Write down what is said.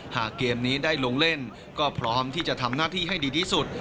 หากเกมนี้ได้ลงเล่นก็พร้อมที่จะทำหน้าที่ให้ดีที่สุด